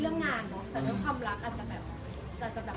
คือมันไม่ใช่แบบ